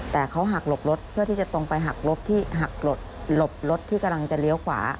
แต่เขาหักหลบรถเพื่อที่จะตรงไปหักหลบที่